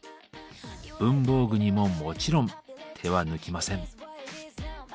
文房具にももちろん手は抜きません。